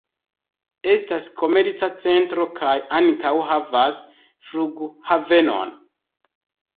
Estas komerca centro kaj ankaŭ havas flughavenon.